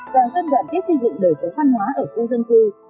toàn dân đoàn kết xây dựng đời sống văn hóa ở khu dân cư